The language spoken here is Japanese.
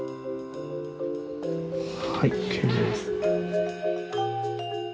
はいＯＫです。